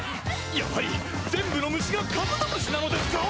やはり全部の虫がカブトムシなのですか？